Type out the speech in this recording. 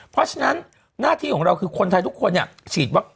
เพราะฉะนั้นหน้าที่ของเราคือคนไทยทุกคนเนี่ยฉีดวัคซีน